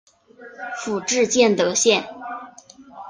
府治建德县。